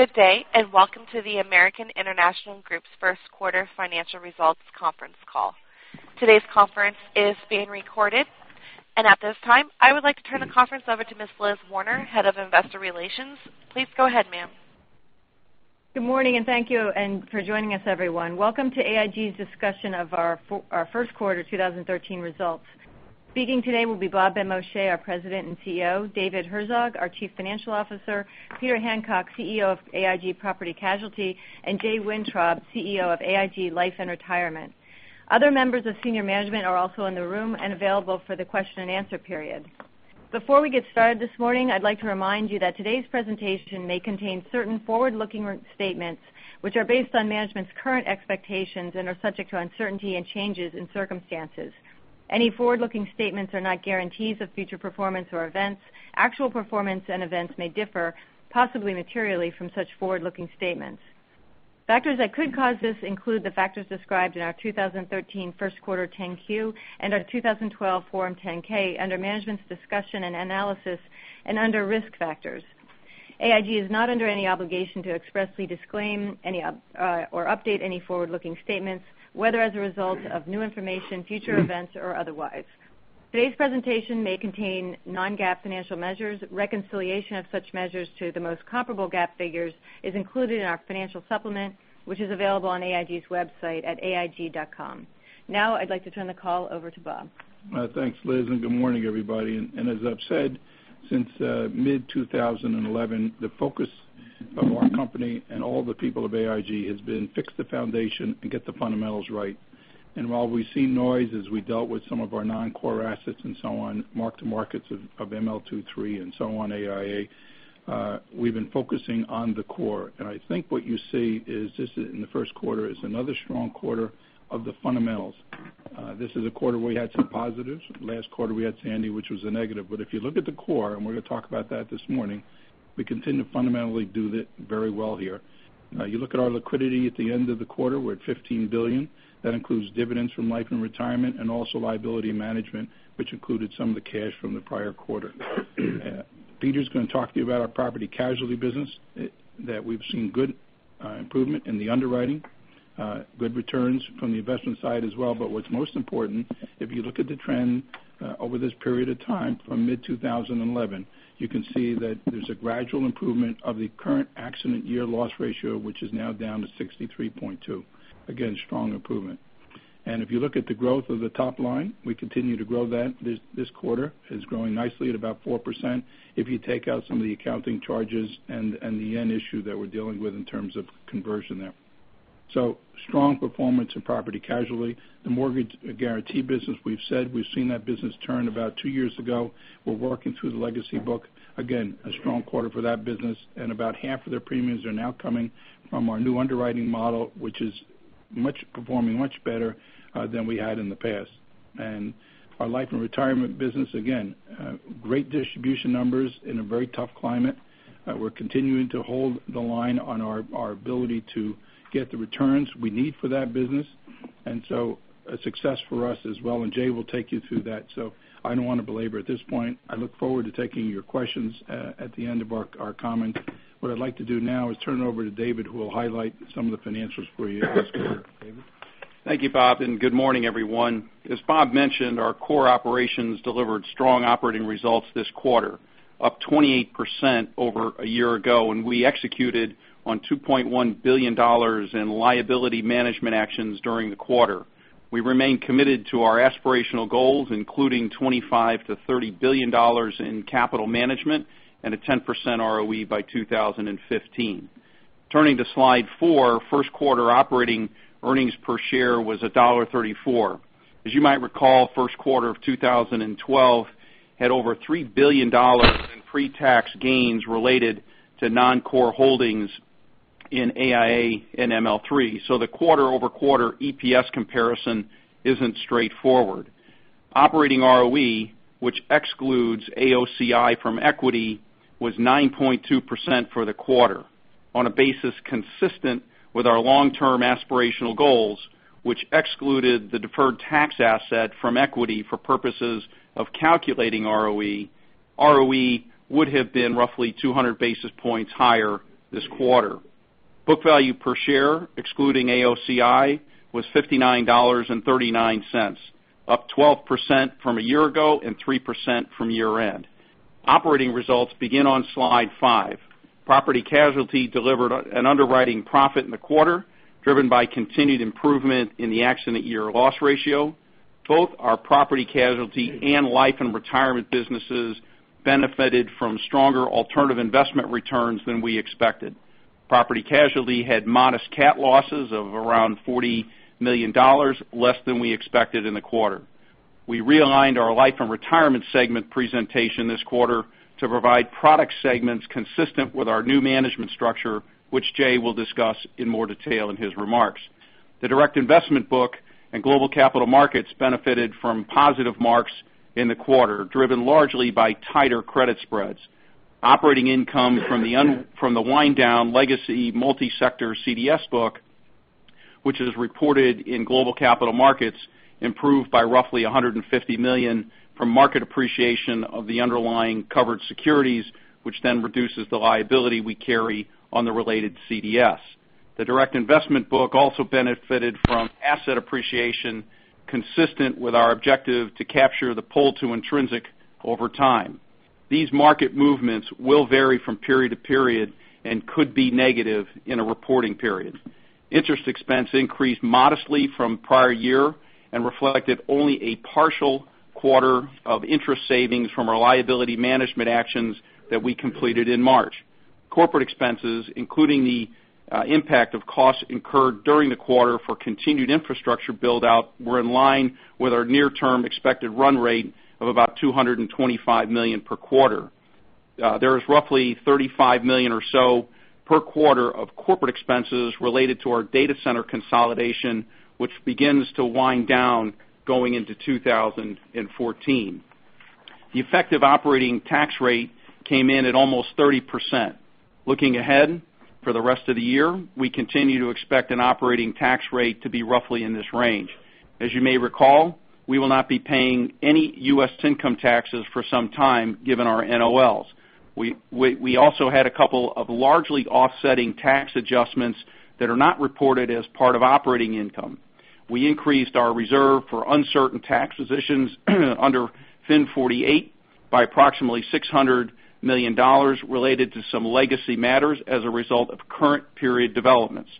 Good day. Welcome to the American International Group's first-quarter financial results conference call. Today's conference is being recorded. At this time I would like to turn the conference over to Ms. Elizabeth Werner, Head of Investor Relations. Please go ahead, ma'am. Good morning. Thank you for joining us, everyone. Welcome to AIG's discussion of our first-quarter 2013 results. Speaking today will be Bob Benmosche, our President and CEO; David Herzog, our Chief Financial Officer; Peter Hancock, CEO of AIG Property Casualty; and Jay Wintrob, CEO of AIG Life and Retirement. Other members of senior management are also in the room and available for the question-and-answer period. Before we get started this morning, I'd like to remind you that today's presentation may contain certain forward-looking statements, which are based on management's current expectations and are subject to uncertainty and changes in circumstances. Any forward-looking statements are not guarantees of future performance or events. Actual performance and events may differ, possibly materially, from such forward-looking statements. Factors that could cause this include the factors described in our 2013 first-quarter Form 10-Q and our 2012 Form 10-K under Management's Discussion and Analysis, and under Risk Factors. AIG is not under any obligation to expressly disclaim or update any forward-looking statements, whether as a result of new information, future events, or otherwise. Today's presentation may contain non-GAAP financial measures. Reconciliation of such measures to the most comparable GAAP figures is included in our financial supplement, which is available on AIG's website at aig.com. I'd like to turn the call over to Bob. Thanks, Liz. Good morning, everybody. As I've said, since mid-2011 the focus of our company and all the people of AIG has been fix the foundation and get the fundamentals right. While we've seen noise as we dealt with some of our non-core assets and so on, marked to markets of ML II and III and so on, AIA, we've been focusing on the core. I think what you see is this in the first quarter is another strong quarter of the fundamentals. This is a quarter where we had some positives. Last quarter we had Sandy, which was a negative. If you look at the core, and we're going to talk about that this morning, we continue to fundamentally do it very well here. You look at our liquidity at the end of the quarter, we're at $15 billion. That includes dividends from Life & Retirement, and also liability management, which included some of the cash from the prior quarter. Peter's going to talk to you about our Property Casualty business, that we've seen good improvement in the underwriting, good returns from the investment side as well. What's most important, if you look at the trend over this period of time from mid-2011, you can see that there's a gradual improvement of the current accident year loss ratio, which is now down to 63.2. Again, strong improvement. If you look at the growth of the top line, we continue to grow that. This quarter is growing nicely at about 4%, if you take out some of the accounting charges and the yen issue that we're dealing with in terms of conversion there. Strong performance in Property Casualty. The Mortgage Guaranty business, we've said we've seen that business turn about two years ago. We're working through the legacy book. Again, a strong quarter for that business, and about half of their premiums are now coming from our new underwriting model, which is performing much better than we had in the past. Our Life & Retirement business, again, great distribution numbers in a very tough climate. We're continuing to hold the line on our ability to get the returns we need for that business, a success for us as well. Jay will take you through that. I don't want to belabor at this point. I look forward to taking your questions at the end of our comments. What I'd like to do now is turn it over to David, who will highlight some of the financials for you. Thank you, Bob, and good morning, everyone. As Bob mentioned, our core operations delivered strong operating results this quarter, up 28% over a year ago. We executed on $2.1 billion in liability management actions during the quarter. We remain committed to our aspirational goals, including $25 billion-$30 billion in capital management and a 10% ROE by 2015. Turning to slide four, first quarter operating earnings per share was $1.34. As you might recall, first quarter of 2012 had over $3 billion in pre-tax gains related to non-core holdings in AIA and ML3. The quarter-over-quarter EPS comparison isn't straightforward. Operating ROE, which excludes AOCI from equity, was 9.2% for the quarter, on a basis consistent with our long-term aspirational goals, which excluded the Deferred Tax Asset from equity for purposes of calculating ROE. ROE would have been roughly 200 basis points higher this quarter. Book value per share, excluding AOCI, was $59.39, up 12% from a year ago and 3% from year-end. Operating results begin on slide five. Property Casualty delivered an underwriting profit in the quarter, driven by continued improvement in the accident year loss ratio. Both our Property Casualty and Life & Retirement businesses benefited from stronger alternative investment returns than we expected. Property Casualty had modest cat losses of around $40 million, less than we expected in the quarter. We realigned our Life & Retirement segment presentation this quarter to provide product segments consistent with our new management structure, which Jay will discuss in more detail in his remarks. The Direct Investment Book and Global Capital Markets benefited from positive marks in the quarter, driven largely by tighter credit spreads. Operating income from the wind-down legacy multi-sector CDS book, which is reported in Global Capital Markets, improved by roughly $150 million from market appreciation of the underlying covered securities, which then reduces the liability we carry on the related CDS. The direct investment book also benefited from asset appreciation, consistent with our objective to capture the pull to intrinsic over time. These market movements will vary from period to period and could be negative in a reporting period. Interest expense increased modestly from prior year and reflected only a partial quarter of interest savings from our liability management actions that we completed in March. Corporate expenses, including the impact of costs incurred during the quarter for continued infrastructure build-out, were in line with our near-term expected run rate of about $225 million per quarter. There is roughly $35 million or so per quarter of corporate expenses related to our data center consolidation, which begins to wind down going into 2014. The effective operating tax rate came in at almost 30%. Looking ahead for the rest of the year, we continue to expect an operating tax rate to be roughly in this range. As you may recall, we will not be paying any U.S. income taxes for some time, given our NOLs. We also had a couple of largely offsetting tax adjustments that are not reported as part of operating income. We increased our reserve for uncertain tax positions under FIN 48 by approximately $600 million related to some legacy matters as a result of current period developments.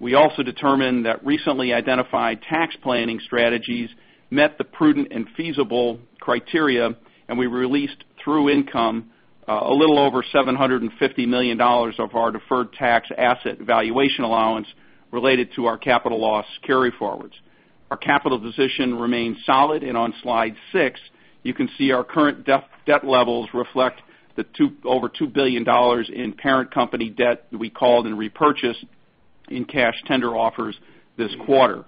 We also determined that recently identified tax planning strategies met the prudent and feasible criteria. We released through income a little over $750 million of our deferred tax asset valuation allowance related to our capital loss carry forwards. Our capital position remains solid, and on slide six you can see our current debt levels reflect the over $2 billion in parent company debt that we called and repurchased in cash tender offers this quarter.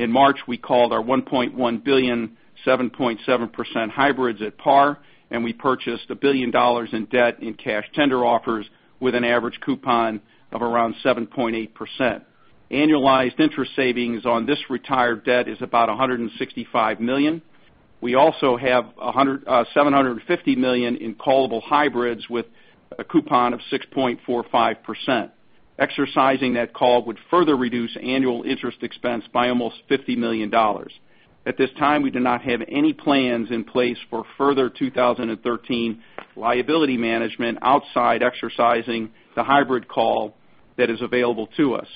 In March, we called our $1.1 billion, 7.7% hybrids at par, and we purchased $1 billion in debt in cash tender offers with an average coupon of around 7.8%. Annualized interest savings on this retired debt is about $165 million. We also have $750 million in callable hybrids with a coupon of 6.45%. Exercising that call would further reduce annual interest expense by almost $50 million. At this time, we do not have any plans in place for further 2013 liability management outside exercising the hybrid call that is available to us.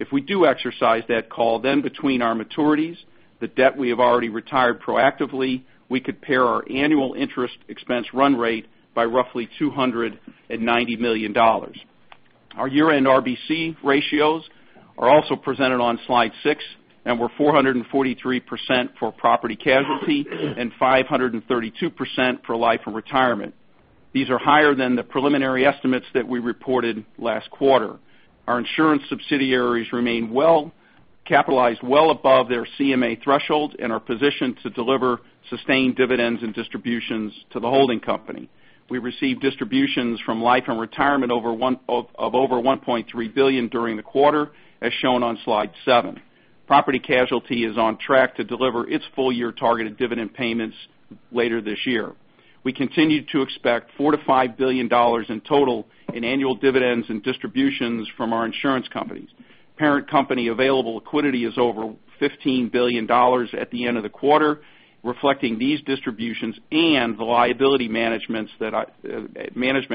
If we do exercise that call, between our maturities, the debt we have already retired proactively, we could pair our annual interest expense run rate by roughly $290 million. Our year-end RBC ratios are also presented on slide six, and we are 443% for Property Casualty and 532% for Life & Retirement. These are higher than the preliminary estimates that we reported last quarter. Our insurance subsidiaries remain well-capitalized well above their CMA threshold and are positioned to deliver sustained dividends and distributions to the holding company. We received distributions from Life & Retirement of over $1.3 billion during the quarter, as shown on slide seven. Property Casualty is on track to deliver its full-year targeted dividend payments later this year. We continue to expect $4 billion to $5 billion in total in annual dividends and distributions from our insurance companies. Parent company available liquidity is over $15 billion at the end of the quarter, reflecting these distributions and the liability management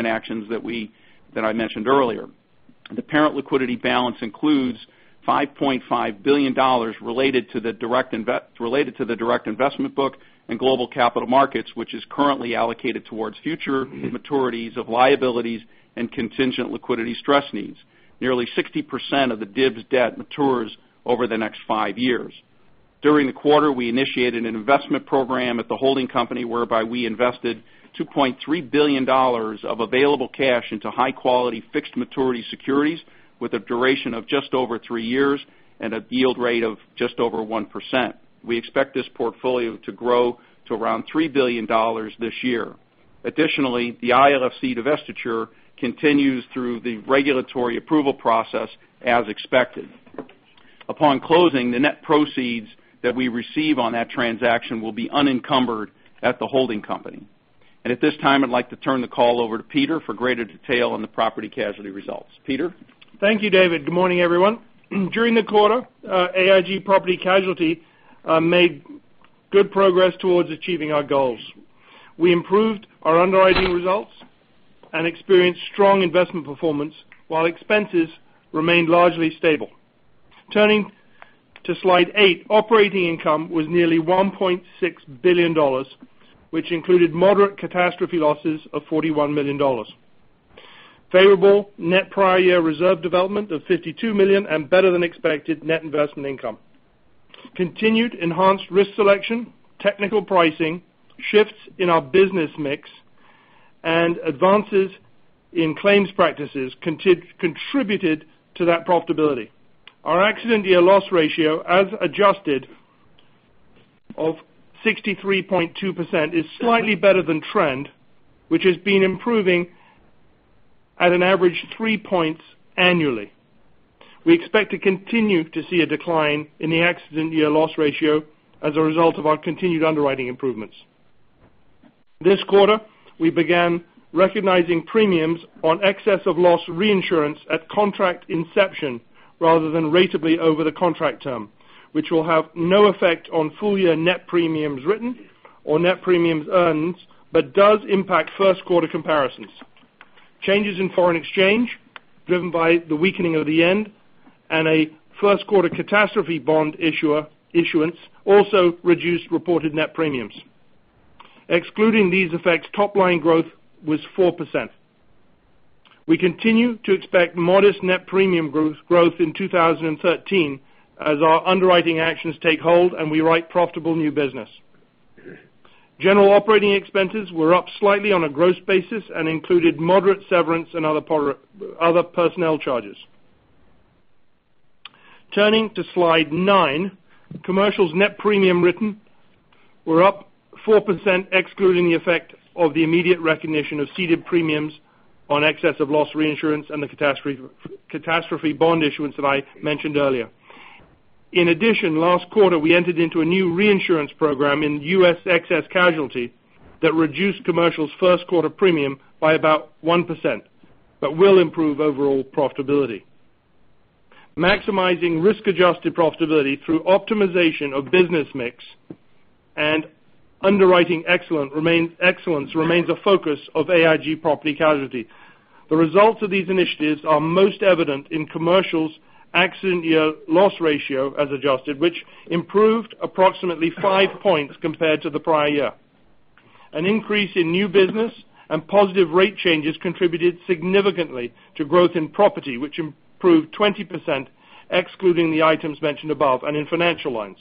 actions that I mentioned earlier. The parent liquidity balance includes $5.5 billion related to the direct investment book and Global Capital Markets, which is currently allocated towards future maturities of liabilities and contingent liquidity stress needs. Nearly 60% of the DIBS debt matures over the next five years. During the quarter, we initiated an investment program at the holding company whereby we invested $2.3 billion of available cash into high-quality fixed maturity securities with a duration of just over three years and a yield rate of just over 1%. We expect this portfolio to grow to around $3 billion this year. Additionally, the ILFC divestiture continues through the regulatory approval process as expected. Upon closing, the net proceeds that we receive on that transaction will be unencumbered at the holding company. At this time, I'd like to turn the call over to Peter for greater detail on the property casualty results. Peter? Thank you, David. Good morning, everyone. During the quarter, AIG Property Casualty made good progress towards achieving our goals. We improved our underwriting results and experienced strong investment performance while expenses remained largely stable. Turning to slide 8, operating income was nearly $1.6 billion, which included moderate catastrophe losses of $41 million. Favorable net prior year reserve development of $52 million and better-than-expected net investment income. Continued enhanced risk selection, technical pricing, shifts in our business mix, and advances in claims practices contributed to that profitability. Our accident year loss ratio, as adjusted, of 63.2% is slightly better than trend, which has been improving at an average 3 points annually. We expect to continue to see a decline in the accident year loss ratio as a result of our continued underwriting improvements. This quarter, we began recognizing premiums on excess of loss reinsurance at contract inception rather than ratably over the contract term, which will have no effect on full-year net premiums written or net premiums earned, but does impact first-quarter comparisons. Changes in foreign exchange, driven by the weakening of the yen and a first-quarter catastrophe bond issuance, also reduced reported net premiums. Excluding these effects, top line growth was 4%. We continue to expect modest net premium growth in 2013 as our underwriting actions take hold and we write profitable new business. General operating expenses were up slightly on a gross basis and included moderate severance and other personnel charges. Turning to slide 9, commercials net premium written were up 4%, excluding the effect of the immediate recognition of seeded premiums on excess of loss reinsurance and the catastrophe bond issuance that I mentioned earlier. In addition, last quarter, we entered into a new reinsurance program in U.S. excess casualty that reduced Commercial's first-quarter premium by about 1%, but will improve overall profitability. Maximizing risk-adjusted profitability through optimization of business mix and underwriting excellence remains a focus of AIG Property Casualty. The results of these initiatives are most evident in Commercial's accident year loss ratio as adjusted, which improved approximately 5 points compared to the prior year. An increase in new business and positive rate changes contributed significantly to growth in property, which improved 20%, excluding the items mentioned above and in financial lines.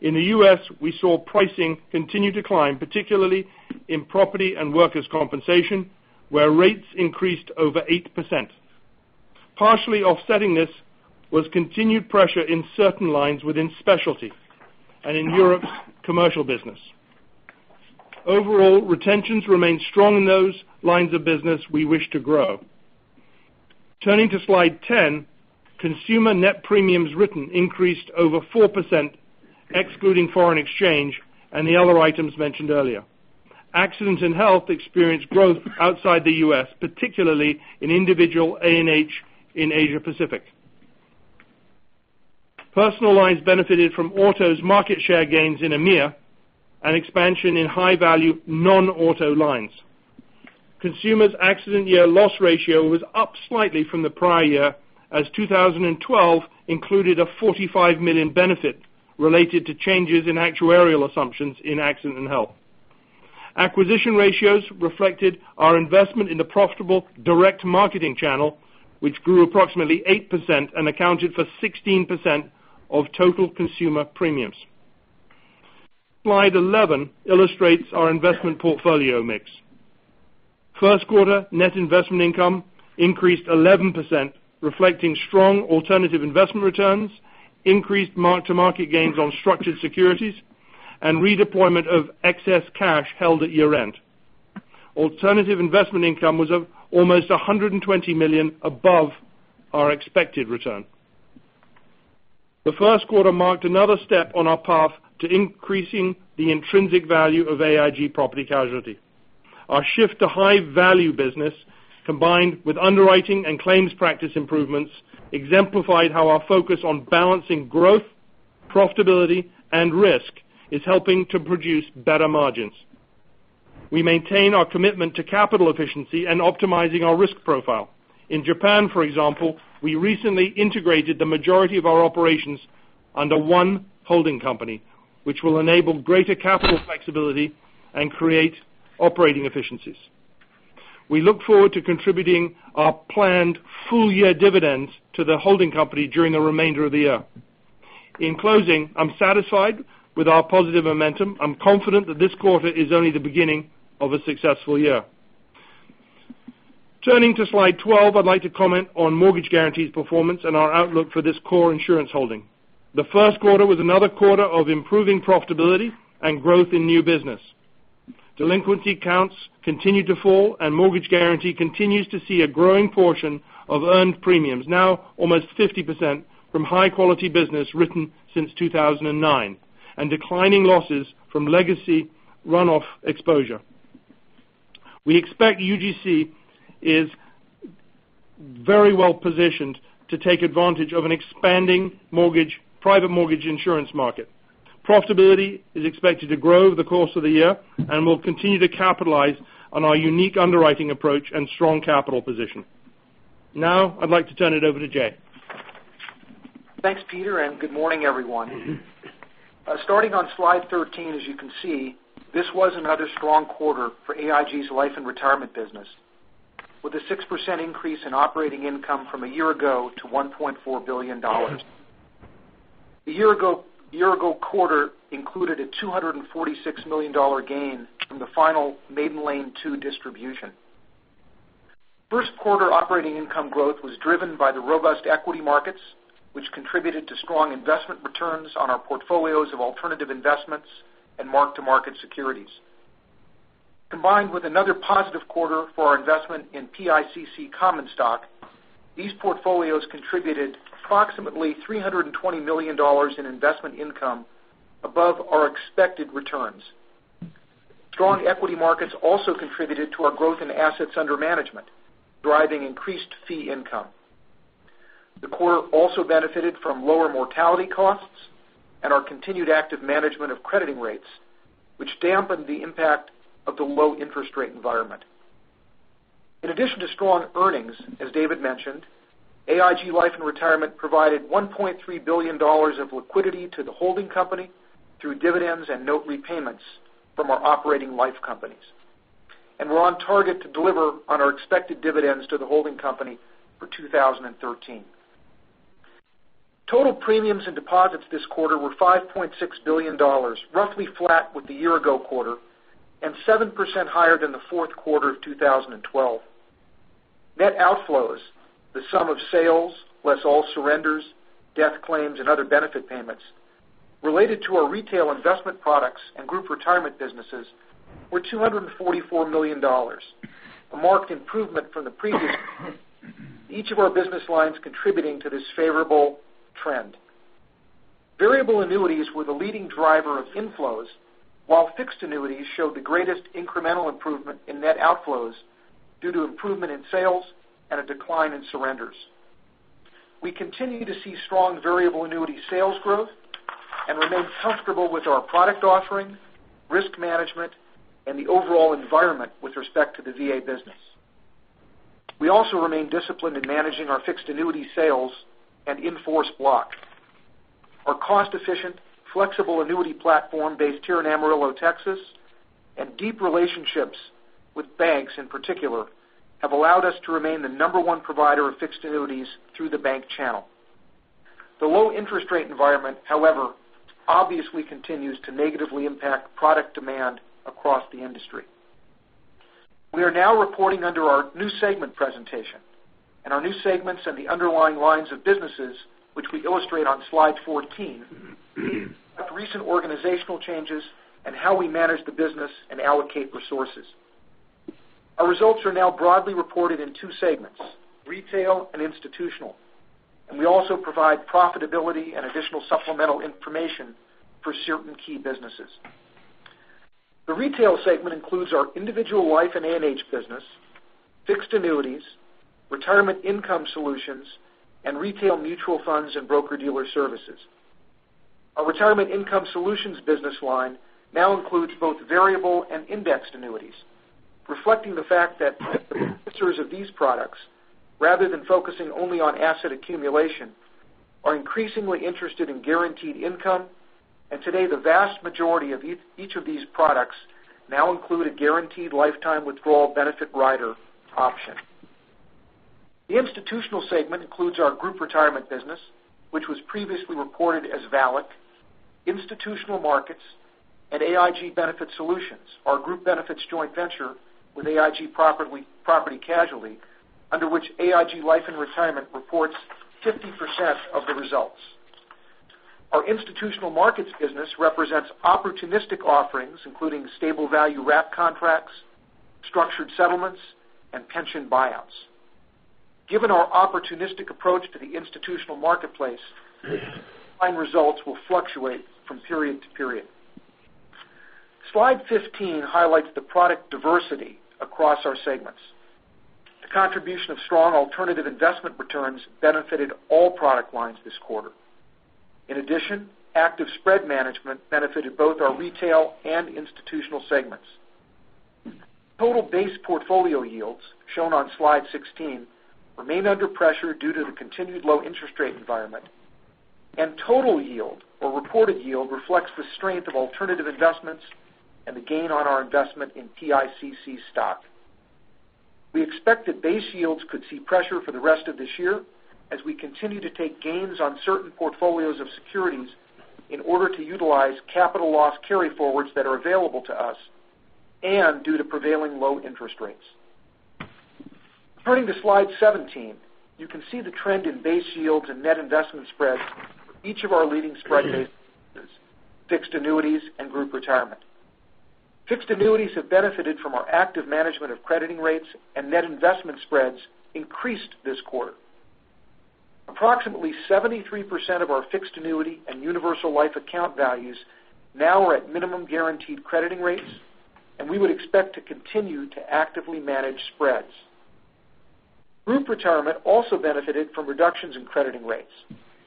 In the U.S., we saw pricing continue to climb, particularly in property and workers' compensation, where rates increased over 8%. Partially offsetting this was continued pressure in certain lines within specialty and in Europe's Commercial business. Overall, retentions remained strong in those lines of business we wish to grow. Turning to slide 10, Consumer net premiums written increased over 4%, excluding foreign exchange and the other items mentioned earlier. Accident and Health experienced growth outside the U.S., particularly in individual A&H in Asia Pacific. Personal lines benefited from autos market share gains in EMEA and expansion in high-value non-auto lines. Consumer's accident year loss ratio was up slightly from the prior year, as 2012 included a $45 million benefit related to changes in actuarial assumptions in Accident and Health. Acquisition ratios reflected our investment in the profitable direct marketing channel, which grew approximately 8% and accounted for 16% of total Consumer premiums. Slide 11 illustrates our investment portfolio mix. First quarter, net investment income increased 11%, reflecting strong alternative investment returns, increased mark-to-market gains on structured securities, and redeployment of excess cash held at year-end. Alternative investment income was of almost $120 million above our expected return. The first quarter marked another step on our path to increasing the intrinsic value of AIG Property Casualty. Our shift to high-value business, combined with underwriting and claims practice improvements, exemplified how our focus on balancing growth, profitability, and risk is helping to produce better margins. We maintain our commitment to capital efficiency and optimizing our risk profile. In Japan, for example, we recently integrated the majority of our operations under one holding company, which will enable greater capital flexibility and create operating efficiencies. We look forward to contributing our planned full-year dividends to the holding company during the remainder of the year. In closing, I'm satisfied with our positive momentum. I'm confident that this quarter is only the beginning of a successful year. Turning to slide 12, I'd like to comment on Mortgage Guaranty's performance and our outlook for this core insurance holding. The first quarter was another quarter of improving profitability and growth in new business. Delinquency counts continued to fall, and Mortgage Guaranty continues to see a growing portion of earned premiums, now almost 50%, from high-quality business written since 2009 and declining losses from legacy run-off exposure. We expect UGC is very well positioned to take advantage of an expanding private mortgage insurance market. Profitability is expected to grow over the course of the year and will continue to capitalize on our unique underwriting approach and strong capital position. Now I'd like to turn it over to Jay. Thanks, Peter. Good morning, everyone. Starting on slide 13, as you can see, this was another strong quarter for AIG Life and Retirement business. With a 6% increase in operating income from a year ago to $1.4 billion, the year-ago quarter included a $246 million gain from the final Maiden Lane II distribution. First quarter operating income growth was driven by the robust equity markets, which contributed to strong investment returns on our portfolios of alternative investments and mark-to-market securities. Combined with another positive quarter for our investment in PICC Common Stock, these portfolios contributed approximately $320 million in investment income above our expected returns. Strong equity markets also contributed to our growth in assets under management, driving increased fee income. The quarter also benefited from lower mortality costs and our continued active management of crediting rates, which dampened the impact of the low interest rate environment. In addition to strong earnings, as David mentioned, AIG Life and Retirement provided $1.3 billion of liquidity to the holding company through dividends and note repayments from our operating life companies. We're on target to deliver on our expected dividends to the holding company for 2013. Total premiums and deposits this quarter were $5.6 billion, roughly flat with the year-ago quarter, and 7% higher than the fourth quarter of 2012. Net outflows, the sum of sales, less all surrenders, death claims, and other benefit payments related to our retail investment products and group retirement businesses, were $244 million, a marked improvement from the previous, each of our business lines contributing to this favorable trend. Variable annuities were the leading driver of inflows, while fixed annuities showed the greatest incremental improvement in net outflows due to improvement in sales and a decline in surrenders. We continue to see strong variable annuity sales growth and remain comfortable with our product offering, risk management, and the overall environment with respect to the VA business. We also remain disciplined in managing our fixed annuity sales and in force block. Our cost-efficient, flexible annuity platform based here in Amarillo, Texas, and deep relationships with banks in particular have allowed us to remain the number one provider of fixed annuities through the bank channel. The low interest rate environment, however, obviously continues to negatively impact product demand across the industry. We are now reporting under our new segment presentation, and our new segments and the underlying lines of businesses, which we illustrate on slide 14, have recent organizational changes and how we manage the business and allocate resources. Our results are now broadly reported in two segments, retail and institutional, and we also provide profitability and additional supplemental information for certain key businesses. The retail segment includes our individual life and A&H business, fixed annuities, retirement income solutions, and retail mutual funds and broker-dealer services. Our retirement income solutions business line now includes both variable and indexed annuities, reflecting the fact that users of these products, rather than focusing only on asset accumulation, are increasingly interested in guaranteed income, and today the vast majority of each of these products now include a guaranteed lifetime withdrawal benefit rider option. The institutional segment includes our group retirement business, which was previously reported as VALIC, Institutional Markets, and AIG Benefit Solutions, our group benefits joint venture with AIG Property Casualty, under which AIG Life and Retirement reports 50% of the results. Our Institutional Markets business represents opportunistic offerings, including stable value wrap contracts, structured settlements, and pension buyouts. Given our opportunistic approach to the institutional marketplace, fine results will fluctuate from period to period. Slide 15 highlights the product diversity across our segments. The contribution of strong alternative investment returns benefited all product lines this quarter. In addition, active spread management benefited both our retail and institutional segments. Total base portfolio yields, shown on slide 16, remain under pressure due to the continued low interest rate environment, and total yield, or reported yield, reflects the strength of alternative investments and the gain on our investment in PICC stock. We expect that base yields could see pressure for the rest of this year as we continue to take gains on certain portfolios of securities in order to utilize capital loss carry forwards that are available to us and due to prevailing low interest rates. Turning to slide 17, you can see the trend in base yields and net investment spreads for each of our leading spread-based businesses, fixed annuities, and group retirement. Fixed annuities have benefited from our active management of crediting rates, and net investment spreads increased this quarter. Approximately 73% of our fixed annuity and universal life account values now are at minimum guaranteed crediting rates, and we would expect to continue to actively manage spreads. Group retirement also benefited from reductions in crediting rates,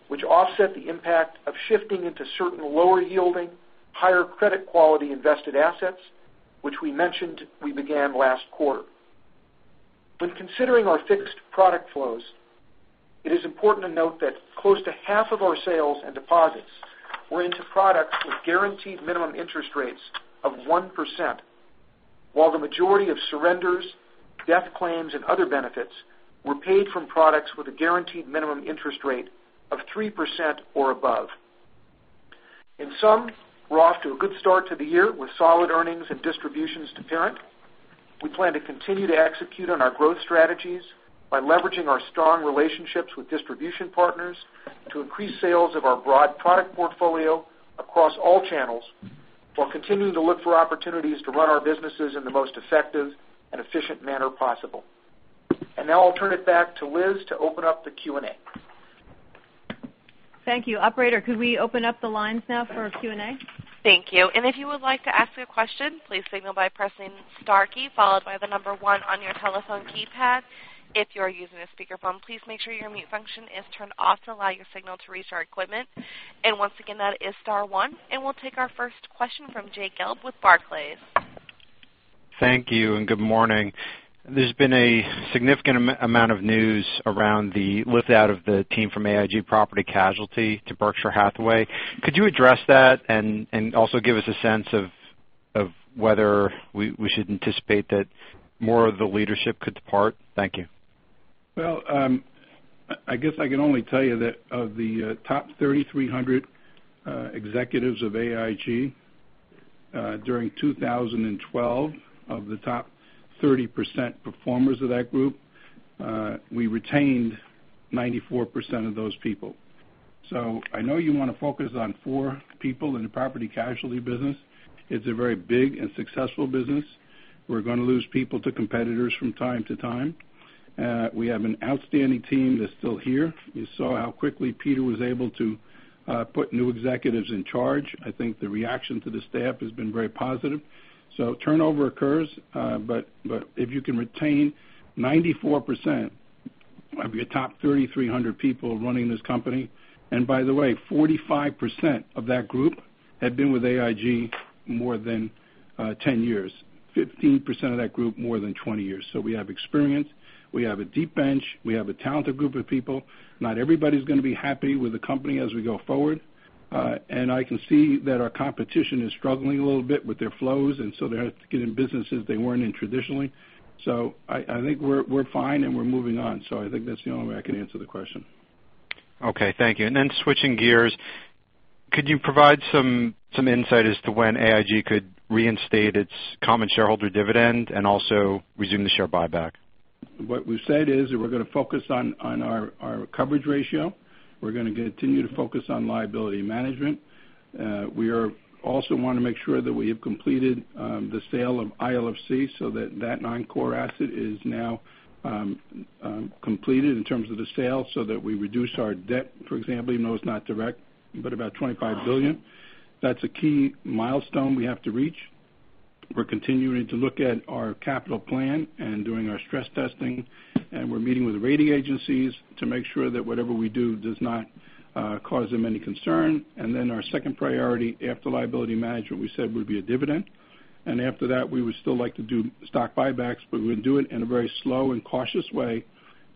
which offset the impact of shifting into certain lower-yielding, higher-credit quality invested assets, which we mentioned we began last quarter. When considering our fixed product flows, it is important to note that close to half of our sales and deposits were into products with guaranteed minimum interest rates of 1%, while the majority of surrenders, death claims, and other benefits were paid from products with a guaranteed minimum interest rate of 3% or above. Some were off to a good start to the year with solid earnings and distributions to parent. We plan to continue to execute on our growth strategies by leveraging our strong relationships with distribution partners to increase sales of our broad product portfolio across all channels, while continuing to look for opportunities to run our businesses in the most effective and efficient manner possible. Now I'll turn it back to Liz to open up the Q&A. Thank you. Operator, could we open up the lines now for Q&A? Thank you. If you would like to ask a question, please signal by pressing star key followed by the number one on your telephone keypad. If you are using a speakerphone, please make sure your mute function is turned off to allow your signal to reach our equipment. Once again, that is star one. We'll take our first question from Jay Gelb with Barclays. Thank you and good morning. There's been a significant amount of news around the liftout of the team from AIG Property Casualty to Berkshire Hathaway. Could you address that and also give us a sense of whether we should anticipate that more of the leadership could depart? Thank you. Well, I guess I can only tell you that of the top 3,300 executives of AIG during 2012, of the top 30% performers of that group, we retained 94% of those people. I know you want to focus on four people in the Property Casualty business. It's a very big and successful business. We're going to lose people to competitors from time to time. We have an outstanding team that's still here. You saw how quickly Peter was able to put new executives in charge. I think the reaction to the staff has been very positive. Turnover occurs, but if you can retain 94% of your top 3,300 people running this company and by the way, 45% of that group had been with AIG more than 10 years, 15% of that group more than 20 years. We have experience, we have a deep bench, we have a talented group of people. Not everybody's going to be happy with the company as we go forward. I can see that our competition is struggling a little bit with their flows, they're getting businesses they weren't in traditionally. I think we're fine and we're moving on. I think that's the only way I can answer the question. Okay. Thank you. Switching gears, could you provide some insight as to when AIG could reinstate its common shareholder dividend and also resume the share buyback? What we've said is that we're going to focus on our coverage ratio. We're going to continue to focus on liability management. We also want to make sure that we have completed the sale of ILFC so that that non-core asset is now completed in terms of the sale so that we reduce our debt, for example, even though it's not direct, but about $25 billion. That's a key milestone we have to reach. We're continuing to look at our capital plan and doing our stress testing, and we're meeting with the rating agencies to make sure that whatever we do does not cause them any concern. Our second priority after liability management, we said would be a dividend. After that, we would still like to do stock buybacks, but we would do it in a very slow and cautious way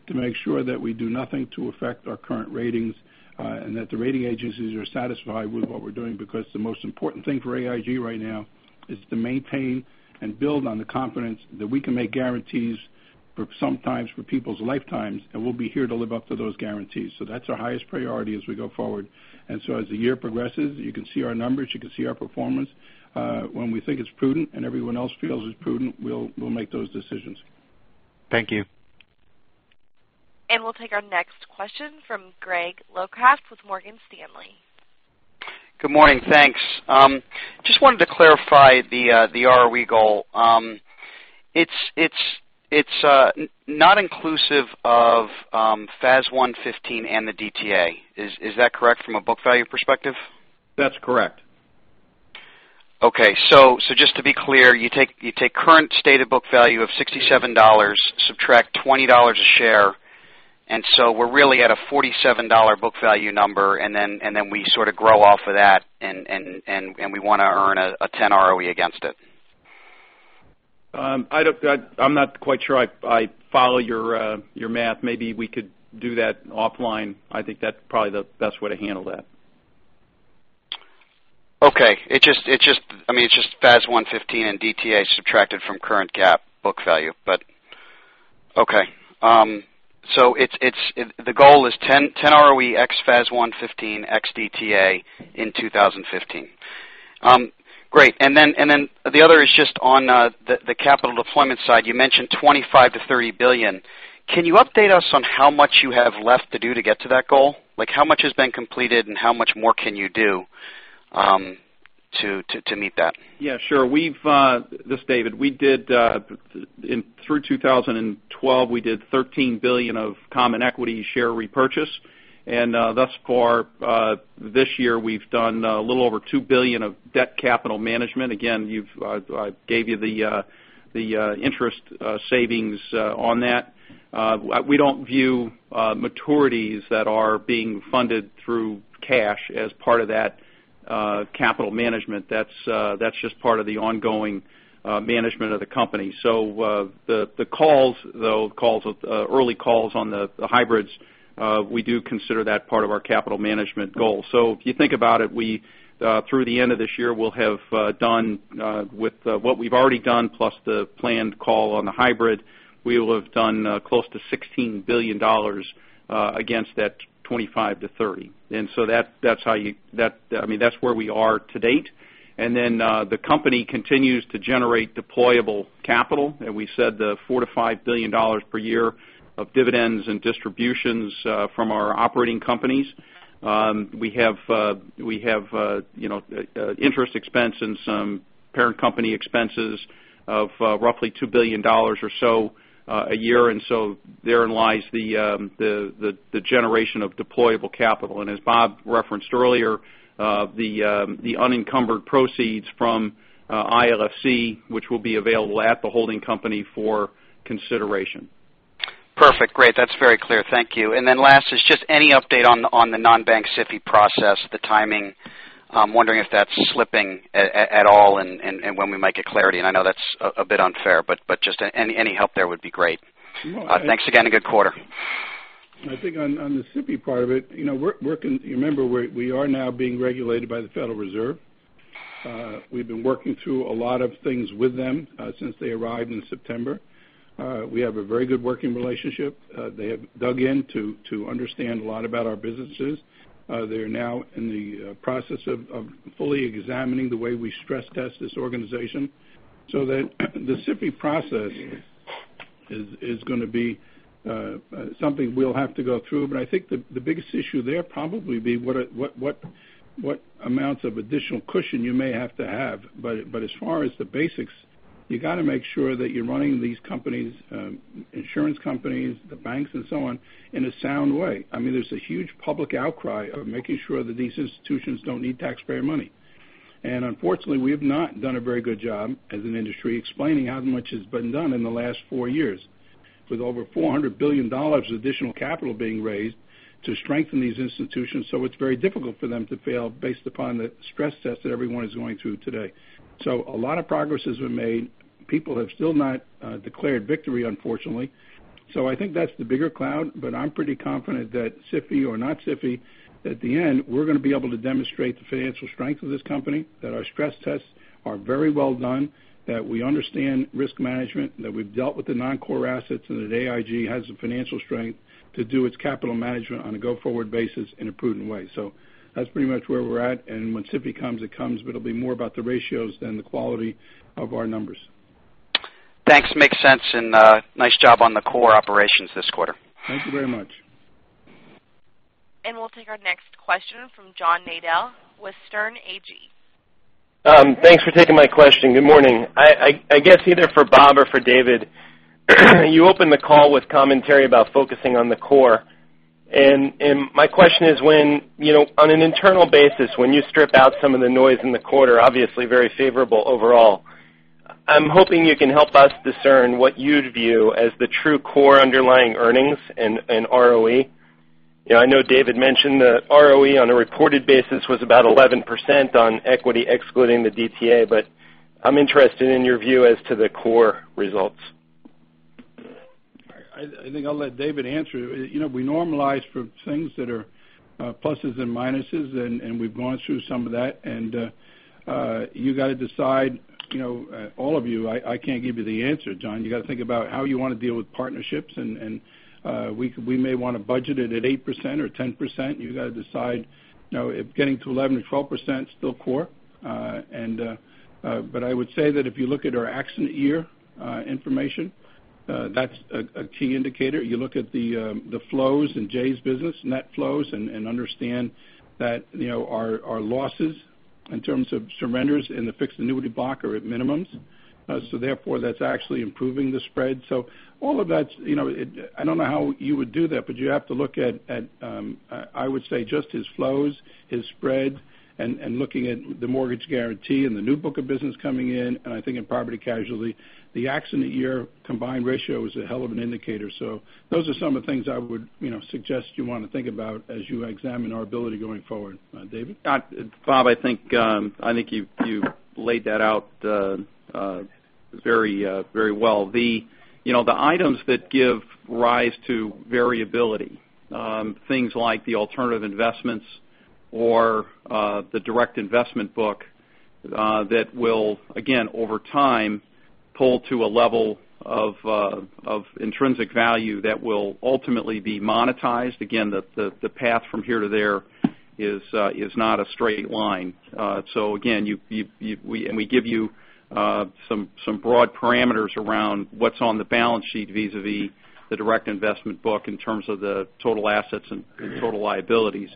to make sure that we do nothing to affect our current ratings and that the rating agencies are satisfied with what we're doing because the most important thing for AIG right now is to maintain and build on the confidence that we can make guarantees sometimes for people's lifetimes, and we'll be here to live up to those guarantees. That's our highest priority as we go forward. As the year progresses, you can see our numbers, you can see our performance. When we think it's prudent and everyone else feels it's prudent, we'll make those decisions. Thank you. We'll take our next question from Greg Locraft with Morgan Stanley. Good morning. Thanks. Just wanted to clarify the ROE goal. It's not inclusive of FAS 115 and the DTA. Is that correct from a book value perspective? That's correct. Okay. Just to be clear, you take current stated book value of $67, subtract $20 a share, and so we're really at a $47 book value number, and then we sort of grow off of that, and we want to earn a 10 ROE against it. I'm not quite sure I follow your math. Maybe we could do that offline. I think that's probably the best way to handle that. Okay. I mean, it's just FAS 115 and DTA subtracted from current GAAP book value, but okay. The goal is 10 ROE x FAS 115 x DTA in 2015. Great. The other is just on the capital deployment side. You mentioned $25 billion-$30 billion. Can you update us on how much you have left to do to get to that goal? How much has been completed and how much more can you do to meet that? Yeah, sure. This is David. Through 2012, we did $13 billion of common equity share repurchase. Thus far this year, we've done a little over $2 billion of debt capital management. Again, I gave you the interest savings on that. We don't view maturities that are being funded through cash as part of that capital management. That's just part of the ongoing management of the company. The calls, though, early calls on the hybrids, we do consider that part of our capital management goal. If you think about it, through the end of this year, we'll have done with what we've already done plus the planned call on the hybrid, we will have done close to $16 billion against that $25 billion-$30 billion. That's how you I mean, that's where we are to date. The company continues to generate deployable capital. We said the $4 billion-$5 billion per year of dividends and distributions from our operating companies. We have interest expense and some parent company expenses of roughly $2 billion or so a year, and so therein lies the generation of deployable capital. As Bob referenced earlier, the unencumbered proceeds from ILFC, which will be available at the holding company for consideration. Perfect. Great. That's very clear. Thank you. Then last is just any update on the non-bank SIFI process, the timing. I'm wondering if that's slipping at all and when we might get clarity. I know that's a bit unfair, but just any help there would be great. Thanks again and good quarter. I think on the SIFI part of it, you remember we are now being regulated by the Federal Reserve. We've been working through a lot of things with them since they arrived in September. We have a very good working relationship. They have dug in to understand a lot about our businesses. They are now in the process of fully examining the way we stress test this organization. The SIFI process is going to be something we'll have to go through, but I think the biggest issue there probably would be what amounts of additional cushion you may have to have. As far as the basics, you got to make sure that you're running these companies, insurance companies, the banks, and so on, in a sound way. I mean, there's a huge public outcry of making sure that these institutions don't need taxpayer money. Unfortunately, we have not done a very good job as an industry explaining how much has been done in the last four years with over $400 billion of additional capital being raised to strengthen these institutions. It's very difficult for them to fail based upon the stress test that everyone is going through today. A lot of progress has been made. People have still not declared victory, unfortunately. I think that's the bigger cloud, but I'm pretty confident that SIFI or not SIFI, at the end, we're going to be able to demonstrate the financial strength of this company, that our stress tests are very well done, that we understand risk management, that we've dealt with the non-core assets, and that AIG has the financial strength to do its capital management on a go-forward basis in a prudent way. That's pretty much where we're at. When SIFI comes, it comes, it'll be more about the ratios than the quality of our numbers. Thanks. Makes sense. Nice job on the core operations this quarter. Thank you very much. We'll take our next question from John Nadel, Sterne Agee. Thanks for taking my question. Good morning. I guess either for Bob or for David, you opened the call with commentary about focusing on the core. My question is, on an internal basis, when you strip out some of the noise in the quarter, obviously very favorable overall, I'm hoping you can help us discern what you'd view as the true core underlying earnings and ROE. I know David mentioned that ROE on a reported basis was about 11% on equity, excluding the DTA, I'm interested in your view as to the core results. I think I'll let David answer. We normalize for things that are pluses and minuses, and we've gone through some of that. You have to decide, all of you. I can't give you the answer, John. You have to think about how you want to deal with partnerships, and we may want to budget it at 8% or 10%. You have to decide if getting to 11% or 12% is still core. I would say that if you look at our accident year information, that's a key indicator. You look at the flows in Jay's business, net flows, and understand that our losses in terms of surrenders in the fixed annuity block are at minimums. Therefore, that's actually improving the spread. All of that, I don't know how you would do that, but you have to look at, I would say, just his flows, his spread, and looking at the Mortgage Guaranty and the new book of business coming in. I think in Property Casualty, the accident year combined ratio is a hell of an indicator. Those are some of the things I would suggest you want to think about as you examine our ability going forward. David? Bob, I think you laid that out very well. The items that give rise to variability, things like the alternative investments or the direct investment book that will, again, over time, pull to a level of intrinsic value that will ultimately be monetized. Again, the path from here to there is not a straight line. Again, we give you some broad parameters around what's on the balance sheet vis-à-vis the direct investment book in terms of the total assets and total liabilities.